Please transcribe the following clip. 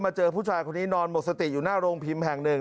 เจอผู้ชายคนนี้นอนหมดสติอยู่หน้าโรงพิมพ์แห่งหนึ่ง